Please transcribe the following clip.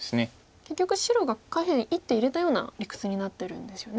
結局白が下辺１手入れたような理屈になってるんですよね。